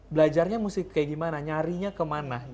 belajarnya mesti kayak gimana nyarinya kemana